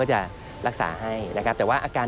พบหน้าลูกแบบเป็นร่างไร้วิญญาณ